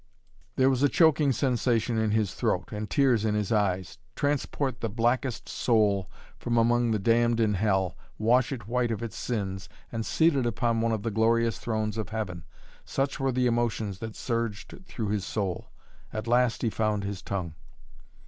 There was a choking sensation in his throat and tears in his eyes. Transport the blackest soul from among the damned in Hell, wash it white of its sins and seat it upon one of the glorious thrones of Heaven, such were the emotions that surged through his soul. At last he found his tongue.